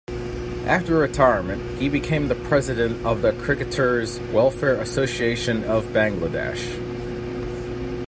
After retirement he became the president of the Cricketers' Welfare Association of Bangladesh.